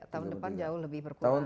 tahun depan jauh lebih berkurang